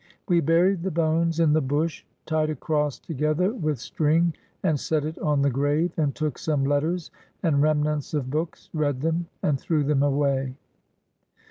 We buried the bones in the bush, tied a cross together with string and set it on the grave, and took some letters and remnants of books, read them, and threw them away.